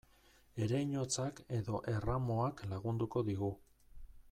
Ereinotzak edo erramuak lagunduko digu.